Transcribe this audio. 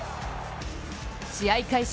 試合開始